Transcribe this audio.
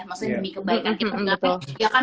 maksudnya demi kebaikan kita ya kan